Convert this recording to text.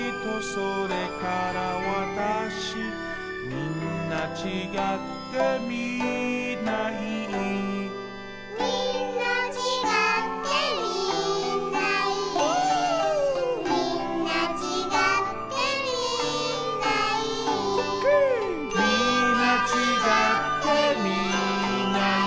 「みんなちがってみんないい」